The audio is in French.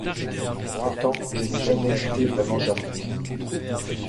Pourtant, je n’ai jamais quitté vraiment Jarnac.